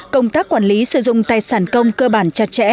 công tác quản lý sử dụng tài sản công cơ bản chặt chẽ